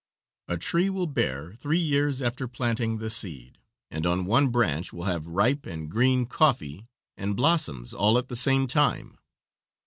A tree will bear three years after planting the seed, and on one branch will have ripe and green coffee and blossoms all at the same time.